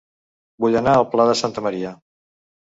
Vull anar a El Pla de Santa Maria